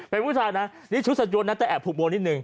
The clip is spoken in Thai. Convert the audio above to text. เป็นผู้ชายนะนี่ชุดสัดยนนะแต่แอบผูกโบนิดนึ